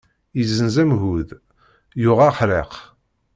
Izzenz amgud, yuɣ aḥriq.